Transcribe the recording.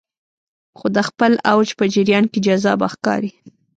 خو د خپل اوج په جریان کې جذابه ښکاري